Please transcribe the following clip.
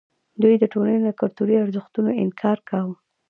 دوی د ټولنې له کلتوري ارزښتونو انکار کاوه.